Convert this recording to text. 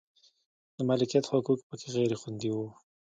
د مالکیت حقوق په کې غیر خوندي و.